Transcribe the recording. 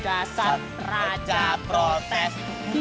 dasar raja protes